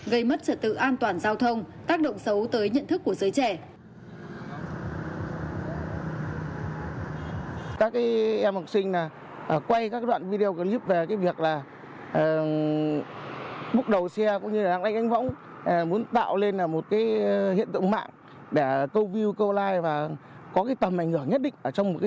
gây mất trật tự an toàn giao thông tác động xấu tới nhận thức của giới trẻ